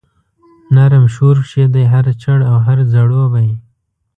نرم شور کښي دی هر چړ او هر ځړوبی